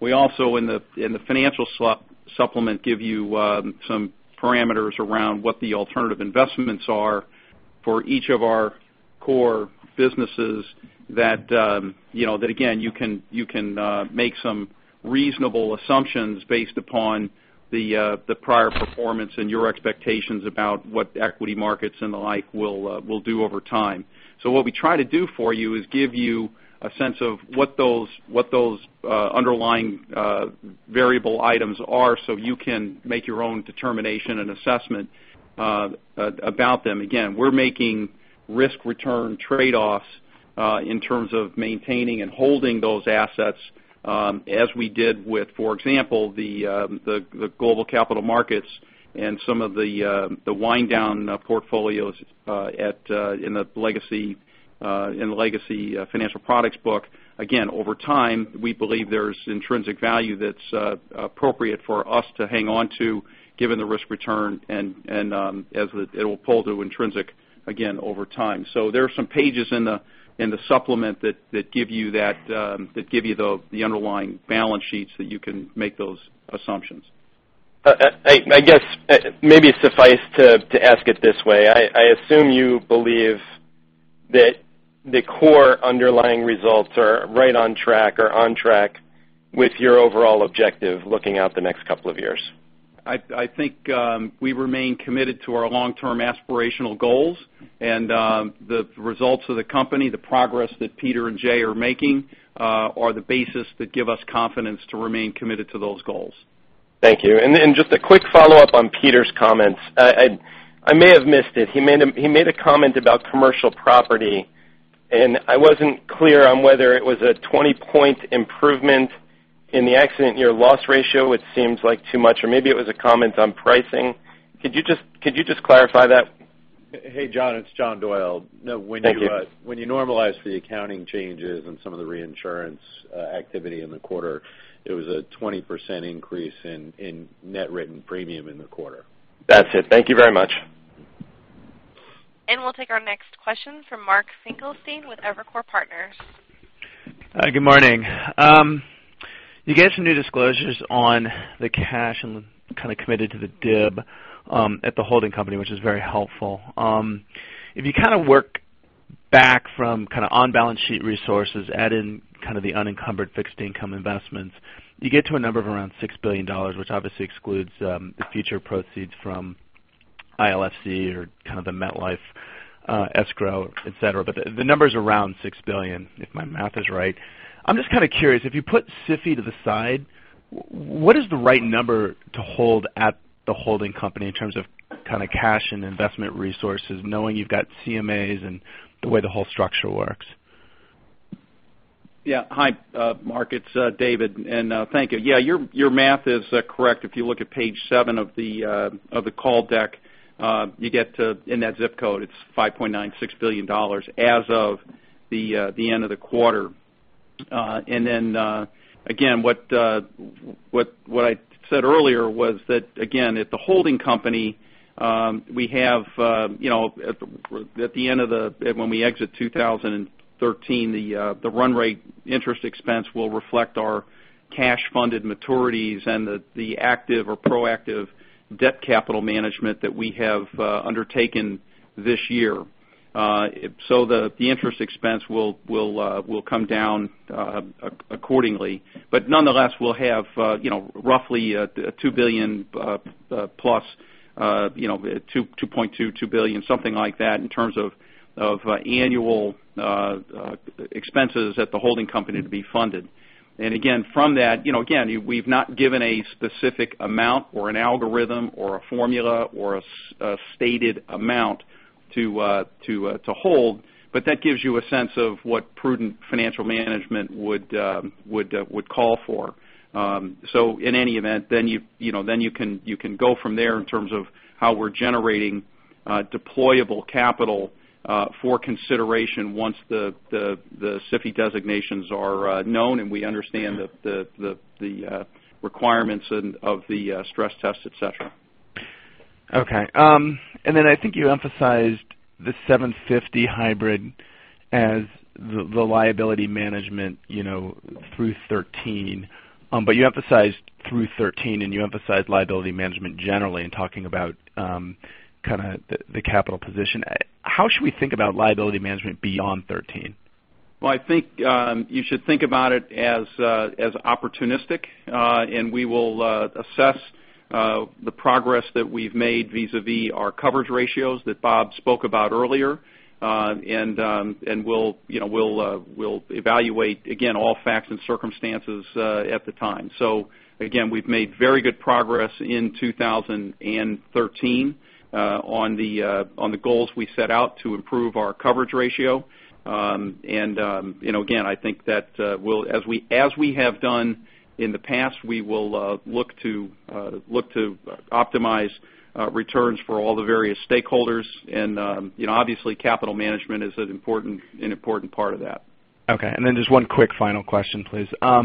We also, in the financial supplement, give you some parameters around what the alternative investments are for each of our core businesses that, again, you can make some reasonable assumptions based upon the prior performance and your expectations about what equity markets and the like will do over time. What we try to do for you is give you a sense of what those underlying variable items are so you can make your own determination and assessment about them. Again, we're making risk-return trade-offs in terms of maintaining and holding those assets as we did with, for example, the Global Capital Markets and some of the wind-down portfolios in the legacy Financial Products book. Again, over time, we believe there's intrinsic value that's appropriate for us to hang on to given the risk-return and as it will pull to intrinsic, again, over time. There are some pages in the supplement that give you the underlying balance sheets that you can make those assumptions. I guess maybe suffice to ask it this way. I assume you believe that the core underlying results are right on track or on track with your overall objective looking out the next couple of years. I think we remain committed to our long-term aspirational goals, and the results of the company, the progress that Peter and Jay are making, are the basis that give us confidence to remain committed to those goals. Thank you. Just a quick follow-up on Peter's comments. I may have missed it. He made a comment about commercial property, and I wasn't clear on whether it was a 20-point improvement in the accident year loss ratio, which seems like too much, or maybe it was a comment on pricing. Could you just clarify that? Hey, John. It's John Doyle. Thank you. When you normalize for the accounting changes and some of the reinsurance activity in the quarter, it was a 20% increase in net written premium in the quarter. That's it. Thank you very much. We'll take our next question from Mark Finkelstein with Evercore Partners. Good morning. You get some new disclosures on the cash and kind of committed to the DIB at the holding company, which is very helpful. If you kind of work back from kind of on-balance-sheet resources, add in kind of the unencumbered fixed income investments, you get to a number of around $6 billion, which obviously excludes the future proceeds from ILFC or kind of the MetLife escrow, etc. The numbers around $6 billion, if my math is right. I'm just kind of curious. If you put SIFI to the side, what is the right number to hold at the holding company in terms of kind of cash and investment resources, knowing you've got CMAs and the way the whole structure works? Yeah. Hi, Mark. It's David. Thank you. Yeah, your math is correct. If you look at page seven of the call deck, you get in that zip code, it's $5.96 billion as of the end of the quarter. Again, what I said earlier was that, again, at the holding company, we have at the end of the when we exit 2013, the run-rate interest expense will reflect our cash-funded maturities and the active or proactive debt capital management that we have undertaken this year. The interest expense will come down accordingly. Nonetheless, we'll have roughly $2 billion plus, $2.22 billion, something like that in terms of annual expenses at the holding company to be funded. Again, from that, again, we've not given a specific amount or an algorithm or a formula or a stated amount to hold, but that gives you a sense of what prudent financial management would call for. In any event, then you can go from there in terms of how we're generating deployable capital for consideration once the SIFI designations are known and we understand the requirements of the stress test, etc. Okay. I think you emphasized the 750 hybrid as the liability management through 2013. You emphasized through 2013, and you emphasized liability management generally in talking about kind of the capital position. How should we think about liability management beyond 2013? Well, I think you should think about it as opportunistic. We will assess the progress that we've made vis-à-vis our coverage ratios that Bob spoke about earlier, and we'll evaluate, again, all facts and circumstances at the time. Again, we've made very good progress in 2013 on the goals we set out to improve our coverage ratio. Again, I think that as we have done in the past, we will look to optimize returns for all the various stakeholders. Obviously, capital management is an important part of that. Okay. Just one quick final question, please. I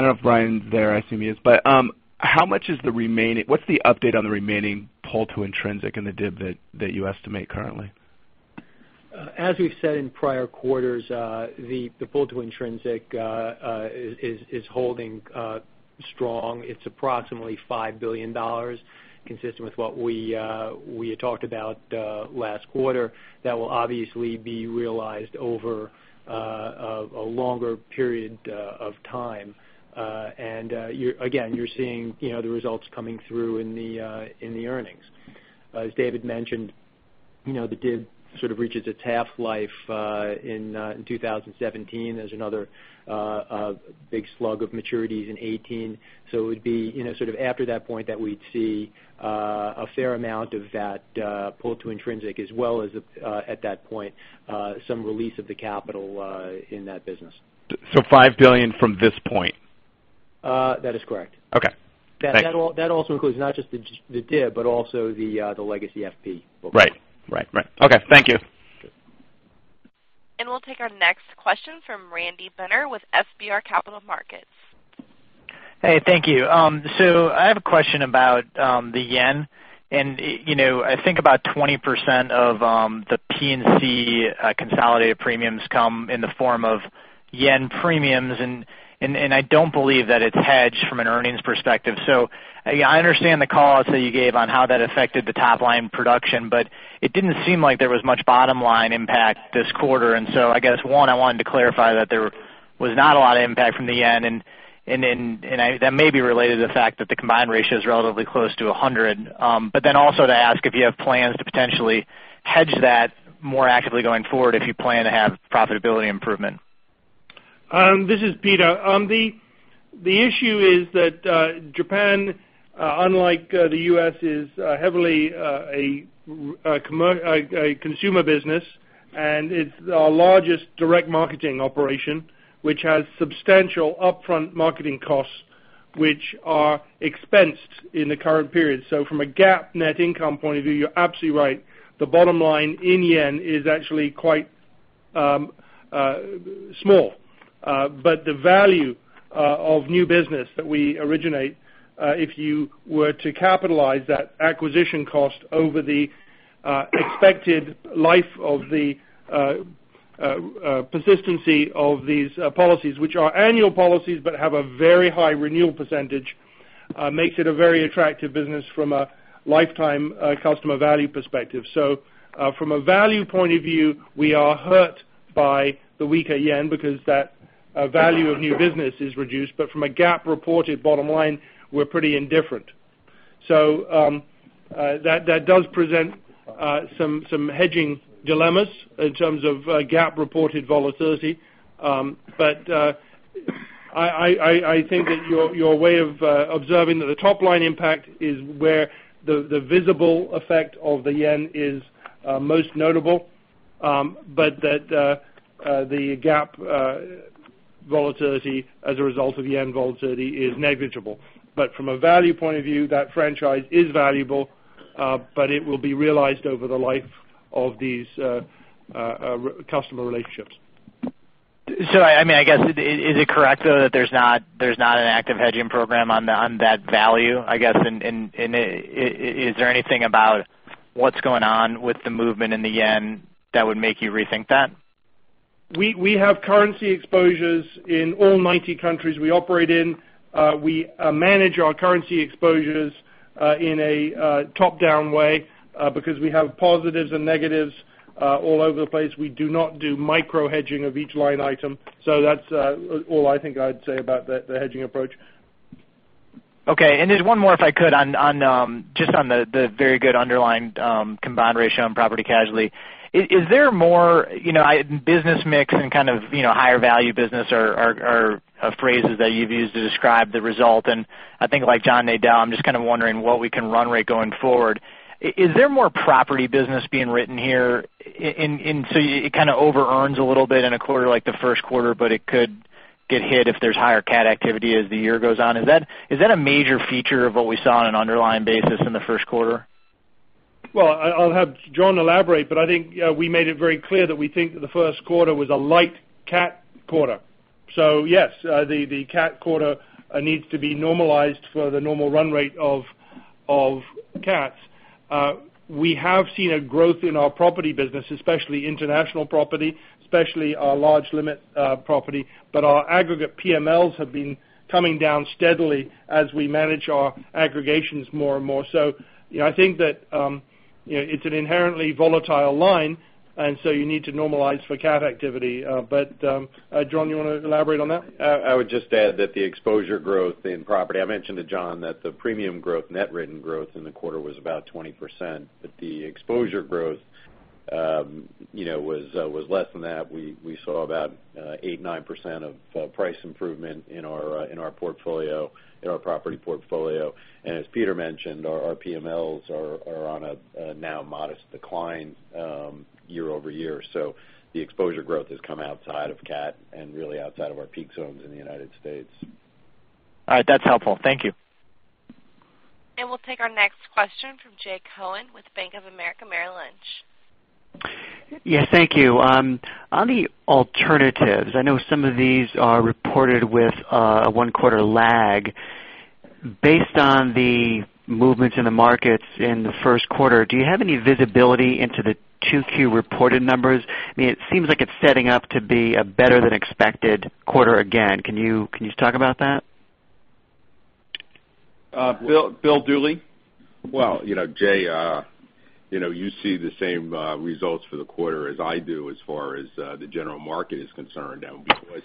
don't know if Brian's there. I assume he is. How much is the remaining what's the update on the remaining pull to intrinsic in the DIB that you estimate currently? As we've said in prior quarters, the pull to intrinsic is holding strong. It's approximately $5 billion, consistent with what we had talked about last quarter. That will obviously be realized over a longer period of time. Again, you're seeing the results coming through in the earnings. As David mentioned, the DIB sort of reaches its half-life in 2017. There's another big slug of maturities in 2018. It would be sort of after that point that we'd see a fair amount of that pull to intrinsic, as well as at that point, some release of the capital in that business. $5 billion from this point. That is correct. Okay. That also includes not just the DIB, but also the legacy FP books. Right. Right. Right. Okay. Thank you. We'll take our next question from Randy Binner with FBR Capital Markets. Hey, thank you. I have a question about the yen. I think about 20% of the P&C consolidated premiums come in the form of yen premiums. I don't believe that it's hedged from an earnings perspective. I understand the call outside you gave on how that affected the top-line production, but it didn't seem like there was much bottom-line impact this quarter. I guess, one, I wanted to clarify that there was not a lot of impact from the yen. That may be related to the fact that the combined ratio is relatively close to 100. Also to ask if you have plans to potentially hedge that more actively going forward if you plan to have profitability improvement. This is Peter. The issue is that Japan, unlike the U.S., is heavily a consumer business, and it's our largest direct marketing operation, which has substantial upfront marketing costs, which are expensed in the current period. From a GAAP net income point of view, you're absolutely right. The bottom line in yen is actually quite small. The value of new business that we originate, if you were to capitalize that acquisition cost over the expected life of the persistency of these policies, which are annual policies but have a very high renewal percentage, makes it a very attractive business from a lifetime customer value perspective. From a value point of view, we are hurt by the weaker yen because that value of new business is reduced. From a GAAP reported bottom line, we're pretty indifferent. That does present some hedging dilemmas in terms of GAAP reported volatility. I think that your way of observing that the top-line impact is where the visible effect of the yen is most notable, but that the GAAP volatility as a result of yen volatility is negligible. From a value point of view, that franchise is valuable, but it will be realized over the life of these customer relationships. I mean, I guess, is it correct, though, that there's not an active hedging program on that value, I guess? Is there anything about what's going on with the movement in the yen that would make you rethink that? We have currency exposures in all 90 countries we operate in. We manage our currency exposures in a top-down way because we have positives and negatives all over the place. We do not do micro-hedging of each line item. That's all I think I'd say about the hedging approach. Okay. Just one more, if I could, just on the very good underlying combined ratio and Property Casualty. Is there more business mix and kind of higher-value business are phrases that you've used to describe the result. I think, like John Nadel, I'm just kind of wondering what we can run-rate going forward. Is there more property business being written here? It kind of over-earns a little bit in a quarter like the first quarter, but it could get hit if there's higher CAT activity as the year goes on. Is that a major feature of what we saw on an underlying basis in the first quarter? Well, I'll have John elaborate, but I think we made it very clear that we think that the first quarter was a light CAT quarter. Yes, the CAT quarter needs to be normalized for the normal run-rate of CATs. We have seen a growth in our property business, especially international property, especially our large-limit property. Our aggregate PMLs have been coming down steadily as we manage our aggregations more and more. I think that it's an inherently volatile line, and so you need to normalize for CAT activity. John, you want to elaborate on that? I would just add that the exposure growth in property I mentioned to John that the premium growth, net written growth in the quarter was about 20%, but the exposure growth was less than that. We saw about 8%, 9% of price improvement in our portfolio, in our property portfolio. As Peter mentioned, our PMLs are on a now modest decline year-over-year. The exposure growth has come outside of CAT and really outside of our peak zones in the United States. All right. That's helpful. Thank you. We'll take our next question from Jay Cohen with Bank of America Merrill Lynch. Yes. Thank you. On the alternatives, I know some of these are reported with a one-quarter lag. Based on the movements in the markets in the first quarter, do you have any visibility into the 2Q reported numbers? I mean, it seems like it's setting up to be a better-than-expected quarter again. Can you talk about that? William Dooley. Well, Jay, you see the same results for the quarter as I do as far as the general market is concerned down below.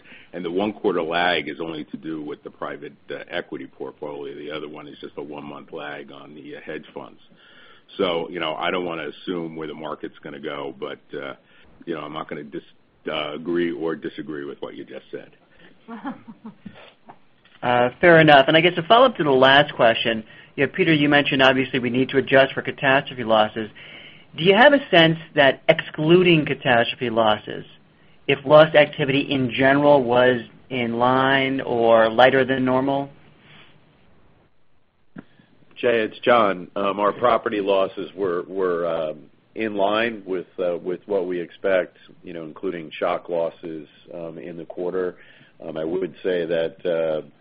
The one-quarter lag is only to do with the private equity portfolio. The other one is just a one-month lag on the hedge funds. I don't want to assume where the market's going to go, but I'm not going to agree or disagree with what you just said. Fair enough. I guess a follow-up to the last question, Peter, you mentioned, obviously, we need to adjust for catastrophe losses. Do you have a sense that excluding catastrophe losses, if loss activity in general was in line or lighter than normal? Jay, it's John. Our property losses were in line with what we expect, including shock losses in the quarter. I would say that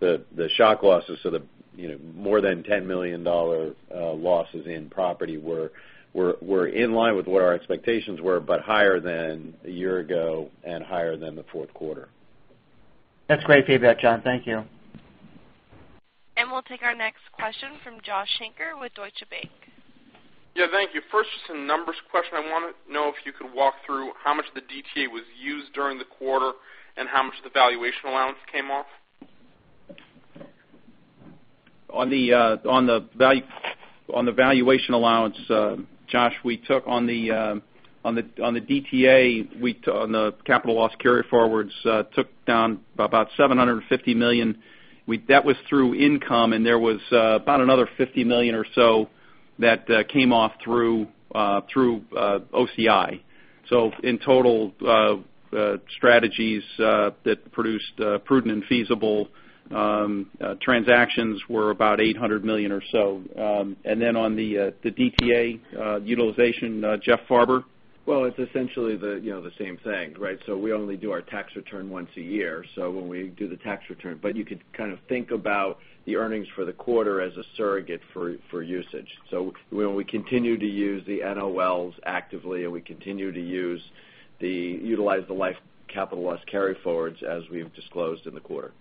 the shock losses, so the more than $10 million losses in property, were in line with what our expectations were higher than a year ago and higher than the fourth quarter. That's great feedback, John. Thank you. We'll take our next question from Josh Shanker with Deutsche Bank. Yeah. Thank you. First, just a numbers question. I want to know if you could walk through how much of the DTA was used during the quarter and how much of the valuation allowance came off. On the valuation allowance, Josh, we took on the DTA, on the capital loss carry forwards, took down about $750 million. That was through income, there was about another $50 million or so that came off through OCI. In total, strategies that produced prudent and feasible transactions were about $800 million or so. Then on the DTA utilization, Jeffrey Farber. Well, it's essentially the same thing, right? We only do our tax return once a year. When we do the tax return but you could kind of think about the earnings for the quarter as a surrogate for usage. When we continue to use the NOLs actively, we continue to utilize the Life capital loss carry forwards as we've disclosed in the quarter.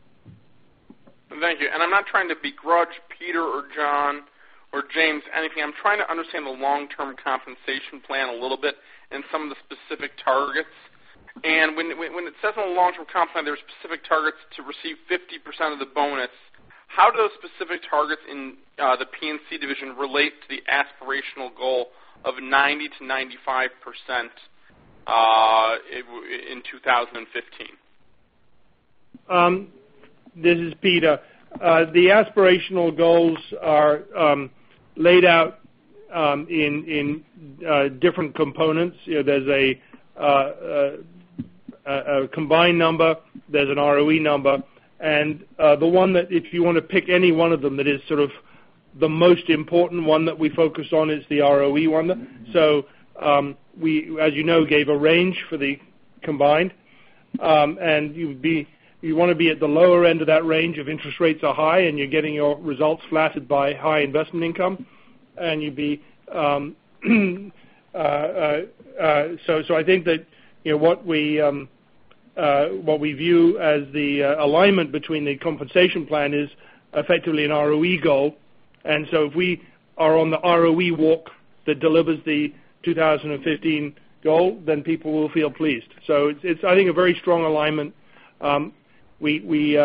Thank you. I'm not trying to begrudge Peter or John or Jay anything. I'm trying to understand the long-term compensation plan a little bit and some of the specific targets. When it says on the long-term comp plan, there are specific targets to receive 50% of the bonus. How do those specific targets in the P&C division relate to the aspirational goal of 90%-95% in 2015? This is Peter. The aspirational goals are laid out in different components. There's a combined number. There's an ROE number. The one that if you want to pick any one of them that is sort of the most important one that we focused on is the ROE one. We, as you know, gave a range for the combined. You want to be at the lower end of that range if interest rates are high and you're getting your results flattened by high investment income. You'd be so I think that what we view as the alignment between the compensation plan is effectively an ROE goal. If we are on the ROE walk that delivers the 2015 goal, then people will feel pleased. It's, I think, a very strong alignment. We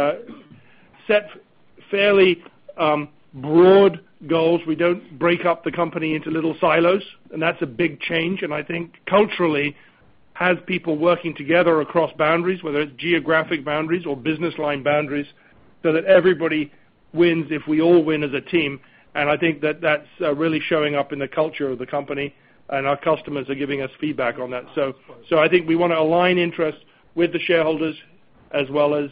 set fairly broad goals. We don't break up the company into little silos. That's a big change. I think culturally, as people working together across boundaries, whether it's geographic boundaries or business line boundaries, so that everybody wins if we all win as a team. I think that that's really showing up in the culture of the company. Our customers are giving us feedback on that. I think we want to align interests with the shareholders as well as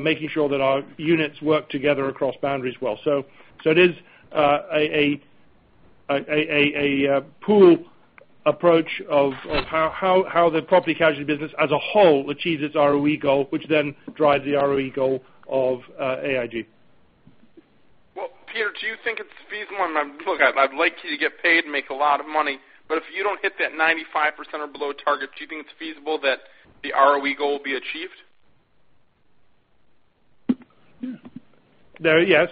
making sure that our units work together across boundaries well. It is a pool approach of how the Property Casualty business as a whole achieves its ROE goal, which then drives the ROE goal of AIG. Peter, do you think it's feasible? I mean, look, I'd like you to get paid and make a lot of money. If you don't hit that 95% or below target, do you think it's feasible that the ROE goal will be achieved? Yes.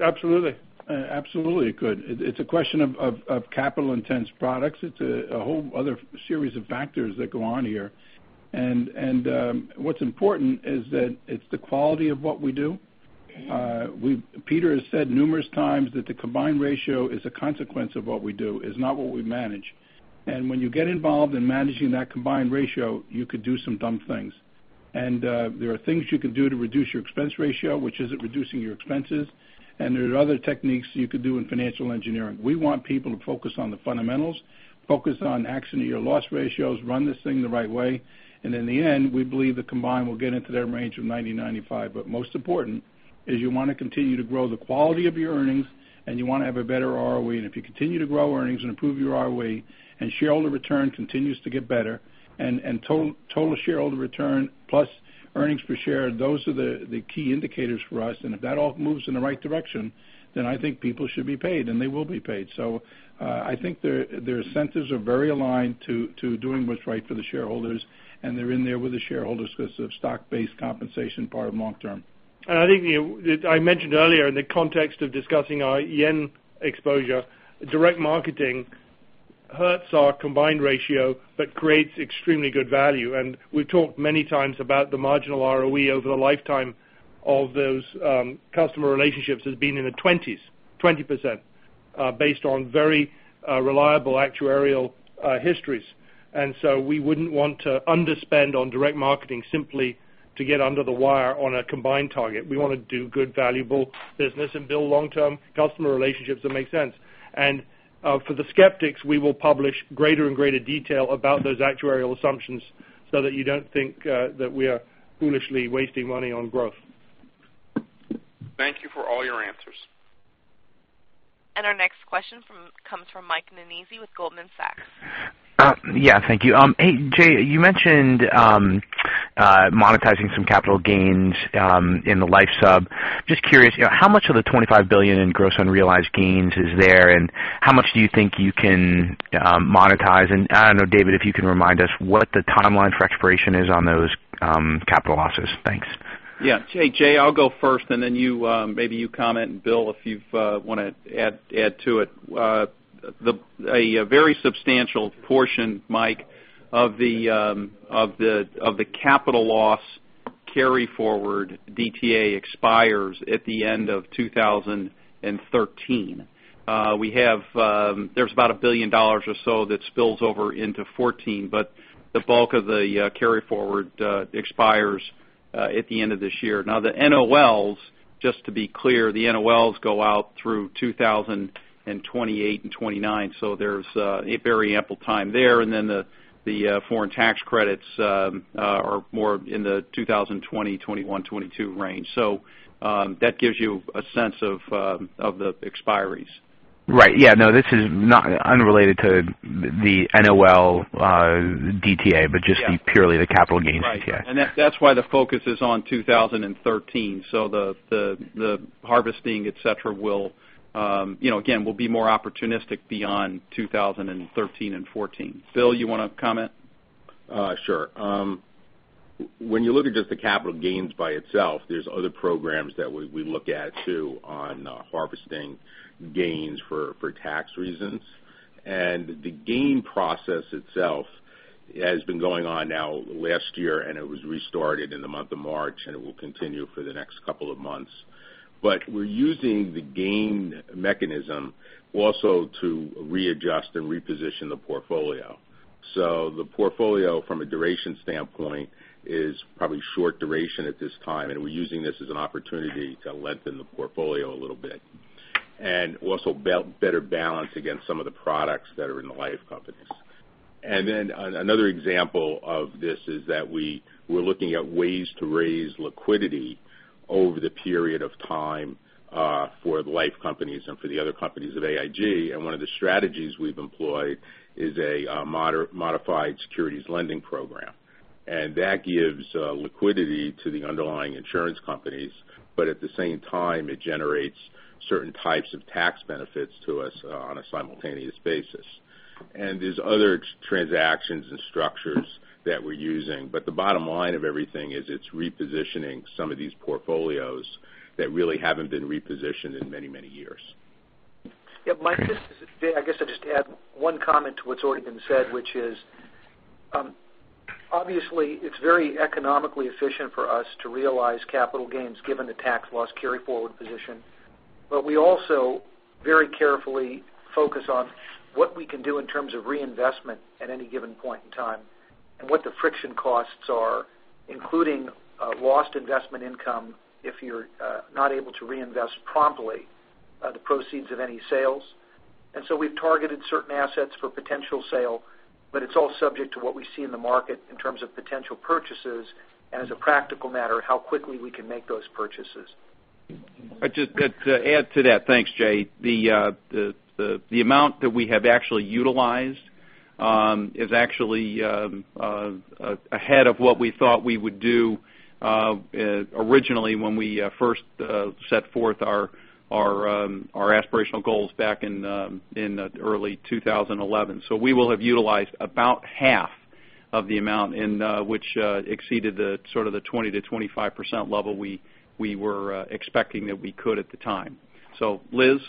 Absolutely. Absolutely, it could. It's a question of capital-intense products. It's a whole other series of factors that go on here. What's important is that it's the quality of what we do. Peter has said numerous times that the combined ratio is a consequence of what we do, is not what we manage. When you get involved in managing that combined ratio, you could do some dumb things. There are things you can do to reduce your expense ratio, which is reducing your expenses. There are other techniques you could do in financial engineering. We want people to focus on the fundamentals, focus on accident year loss ratios, run this thing the right way. In the end, we believe the combined will get into that range of 90, 95. Most important is you want to continue to grow the quality of your earnings, you want to have a better ROE. If you continue to grow earnings and improve your ROE and shareholder return continues to get better and total shareholder return plus EPS, those are the key indicators for us. If that all moves in the right direction, I think people should be paid, and they will be paid. I think their incentives are very aligned to doing what's right for the shareholders, and they're in there with the shareholders because of stock-based compensation part of long-term. I think I mentioned earlier in the context of discussing our yen exposure, direct marketing hurts our combined ratio but creates extremely good value. We've talked many times about the marginal ROE over the lifetime of those customer relationships has been in the 20s, 20% based on very reliable actuarial histories. We wouldn't want to underspend on direct marketing simply to get under the wire on a combined target. We want to do good, valuable business and build long-term customer relationships that make sense. For the skeptics, we will publish greater and greater detail about those actuarial assumptions so that you don't think that we are foolishly wasting money on growth. Thank you for all your answers. Our next question comes from Mike Nannizzi with Goldman Sachs. Yeah. Thank you. Jay, you mentioned monetizing some capital gains in the life sub. Just curious, how much of the $25 billion in gross unrealized gains is there? And how much do you think you can monetize? And I don't know, David, if you can remind us what the timeline for expiration is on those capital losses. Thanks. Yeah. Jay, I'll go first, and then maybe you comment, Bill, if you want to add to it. A very substantial portion, Mike, of the capital loss carry forward DTA expires at the end of 2013. There's about $1 billion or so that spills over into 2014, but the bulk of the carry forward expires at the end of this year. The NOLs, just to be clear, the NOLs go out through 2028 and 2029. There's a very ample time there. The foreign tax credits are more in the 2020, 2021, 2022 range. That gives you a sense of the expiries. Right. Yeah. No, this is not unrelated to the NOL DTA but just purely the capital gains DTA. Right. That's why the focus is on 2013. The harvesting, etc., again, will be more opportunistic beyond 2013 and 2014. Bill, you want to comment? Sure. When you look at just the capital gains by itself, there's other programs that we look at too on harvesting gains for tax reasons. The gain process itself has been going on now last year, and it was restarted in the month of March, and it will continue for the next couple of months. We're using the gain mechanism also to readjust and reposition the portfolio. The portfolio from a duration standpoint is probably short duration at this time, and we're using this as an opportunity to lengthen the portfolio a little bit and also better balance against some of the products that are in the life companies. Another example of this is that we're looking at ways to raise liquidity over the period of time for the life companies and for the other companies of AIG. One of the strategies we've employed is a modified securities lending program. That gives liquidity to the underlying insurance companies, but at the same time, it generates certain types of tax benefits to us on a simultaneous basis. There's other transactions and structures that we're using. The bottom line of everything is it's repositioning some of these portfolios that really haven't been repositioned in many, many years. Yeah. Mike, I guess I'll just add one comment to what's already been said, which is obviously, it's very economically efficient for us to realize capital gains given the tax loss carry forward position. We also very carefully focus on what we can do in terms of reinvestment at any given point in time and what the friction costs are, including lost investment income if you're not able to reinvest promptly the proceeds of any sales. We've targeted certain assets for potential sale, but it's all subject to what we see in the market in terms of potential purchases and, as a practical matter, how quickly we can make those purchases. Just to add to that, thanks, Jay. The amount that we have actually utilized is actually ahead of what we thought we would do originally when we first set forth our aspirational goals back in early 2011. We will have utilized about half of the amount, which exceeded sort of the 20%-25% level we were expecting that we could at the time. Liz,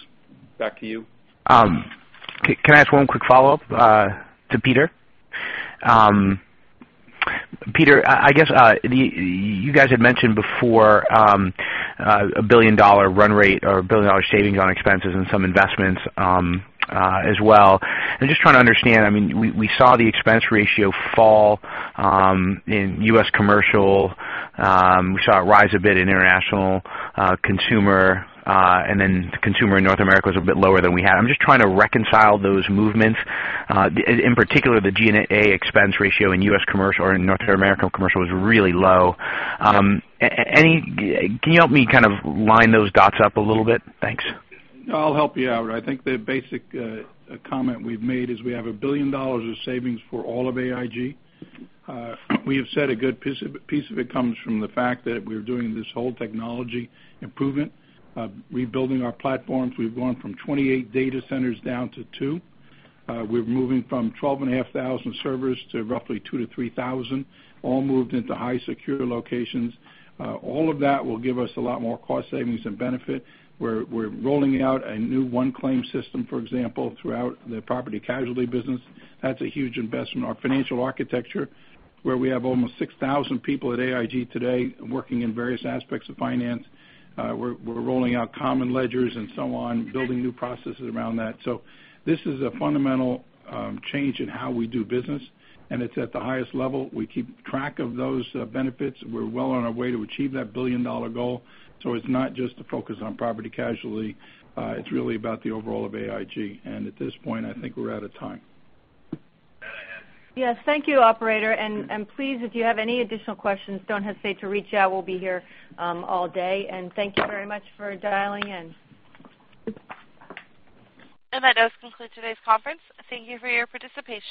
back to you. Can I ask one quick follow-up to Peter? Peter, I guess you guys had mentioned before a billion-dollar run rate or a billion-dollar savings on expenses and some investments as well. Just trying to understand, I mean, we saw the expense ratio fall in U.S. commercial. We saw it rise a bit in International Consumer. Then Consumer in North America was a bit lower than we had. I'm just trying to reconcile those movements. In particular, the G&A expense ratio in U.S. commercial or in North American commercial was really low. Can you help me kind of line those dots up a little bit? Thanks. I'll help you out. I think the basic comment we've made is we have $1 billion of savings for all of AIG. We have said a good piece of it comes from the fact that we're doing this whole technology improvement, rebuilding our platforms. We've gone from 28 data centers down to 2. We're moving from 12,500 servers to roughly 2,000 to 3,000, all moved into high-secure locations. All of that will give us a lot more cost savings and benefit. We're rolling out a new OneClaim system, for example, throughout the Property Casualty business. That's a huge investment. Our financial architecture, where we have almost 6,000 people at AIG today working in various aspects of finance, we're rolling out common ledgers and so on, building new processes around that. This is a fundamental change in how we do business, and it's at the highest level. We keep track of those benefits. We're well on our way to achieve that billion-dollar goal. It's not just a focus on Property Casualty. It's really about the overall of AIG. At this point, I think we're out of time. Yes. Thank you, operator. Please, if you have any additional questions, don't hesitate to reach out. We'll be here all day. Thank you very much for dialing in. That does conclude today's conference. Thank you for your participation.